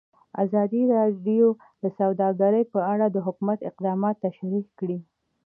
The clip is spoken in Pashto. ازادي راډیو د سوداګري په اړه د حکومت اقدامات تشریح کړي.